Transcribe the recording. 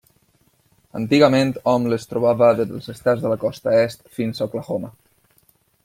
Antigament hom les trobava des dels estats de la Costa Est fins a Oklahoma.